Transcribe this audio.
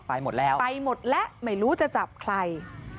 หมดแล้วไปหมดแล้วไม่รู้จะจับใคร